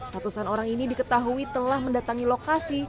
ratusan orang ini diketahui telah mendatangi lokasi